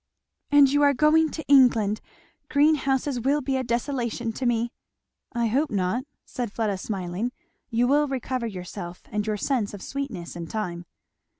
"And you are going to England! Greenhouses will be a desolation to me! " "I hope not," said Fleda smiling; "you will recover yourself, and your sense of sweetness, in time."